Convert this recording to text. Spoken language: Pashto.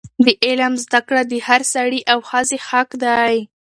د علم زده کړه د هر سړي او ښځې حق دی.